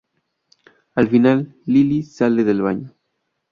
Al final Lily sale del baño.